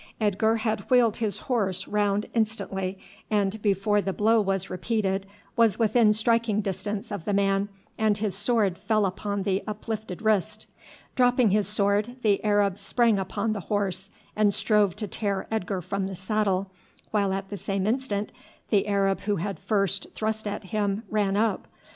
Edgar had wheeled his horse round instantly, and before the blow was repeated was within striking distance of the man and his sword fell upon the uplifted wrist. Dropping his sword the Arab sprang upon the horse and strove to tear Edgar from the saddle, while at the same instant the Arab who had first thrust at him ran up.